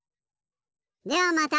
ではまた！